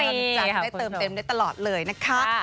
มีครับคุณผู้ชมได้เติมเต็มได้ตลอดเลยนะคะ